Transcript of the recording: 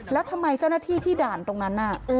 แล้วทำไมเจ้าหน้าที่ที่ด่านตรงนั้นน่ะ